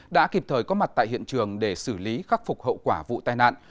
đã kịp thời có mặt tại hiện trường để xử lý khắc phục hậu quả vụ tai nạn